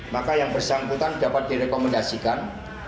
maka yang bersangkutan dapat direkomendasikan